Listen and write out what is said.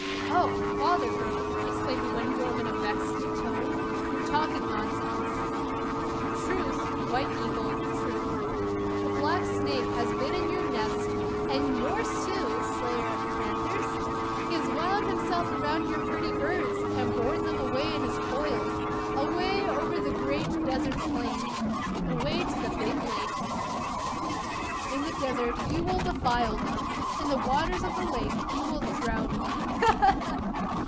"Oh! bother, girl!" exclaimed. Wingrove in a vexed tone; "ye're a talkin' nonsense." "Truth, White Eagle truth! the black snake has been in your nest; and yours too, slayer of panthers! He has wound himself around your pretty birds, and borne them away in his coils away over the great desert plains away to the Big Lake! Ha, ha, ha! In the desert, he will defile them. In the waters of the lake, he will drown them ha, ha, ha!"